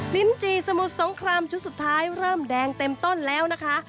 ลิ้นจีสมุทรสงครามชุดสุดท้ายเริ่มแดงเต็มต้นแล้วนะคะ